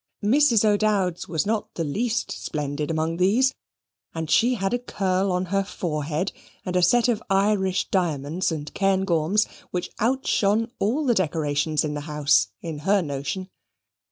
Mrs. O'Dowd's was not the least splendid amongst these, and she had a curl on her forehead, and a set of Irish diamonds and Cairngorms, which outshone all the decorations in the house, in her notion.